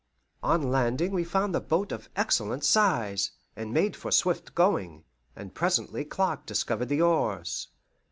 On landing we found the boat of excellent size, and made for swift going, and presently Clark discovered the oars.